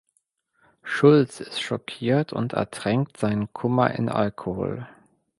Schulz ist schockiert und ertränkt seinen Kummer in Alkohol.